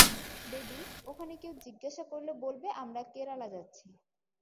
Baby, ওখানে কেউ জিজ্ঞাসা করলে বলবে আমরা কেরালা যাচ্ছি।